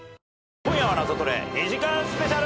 『今夜はナゾトレ』２時間スペシャル。